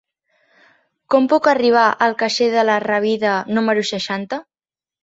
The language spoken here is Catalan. Com puc arribar al carrer de la Rábida número seixanta?